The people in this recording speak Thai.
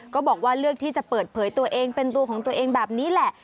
ก็บอกว่าเลือกที่จะเปิดเผยตัวเองเป็นตัวของตัวเองแบบนี้แหละ